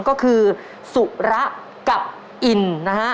ก็คือสุระกับอินนะฮะ